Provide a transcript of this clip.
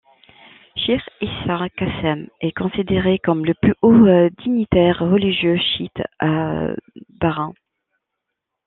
Cheikh Issa Qassem est considéré comme le plus haut dignitaire religieux chiite à Bahreïn.